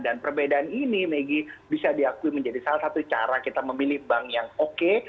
dan perbedaan ini meggy bisa diakui menjadi salah satu cara kita memilih bank yang oke